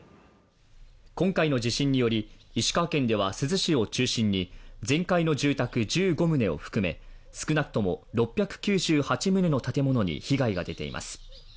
今回の地震により、石川県では珠洲市を中心に、全壊の住宅１５棟を含め少なくとも６９８棟の建物に被害が出ています。